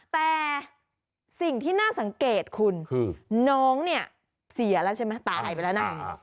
แต่สิ่งที่น่าสังเกตคุณคือน้องเนี่ยเสียแล้วใช่ไหมตายไปแล้วนะ